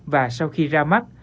và sau khi ra mắt